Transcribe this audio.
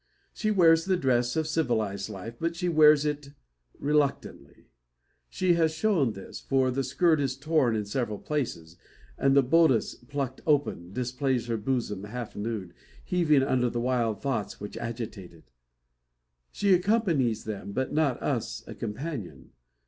She wears the dress of civilised life, but she wears it reluctantly. She has shown this, for the skirt is torn in several places, and the bodice, plucked open, displays her bosom, half nude, heaving under the wild thoughts which agitate it. She accompanies them, but not us a companion.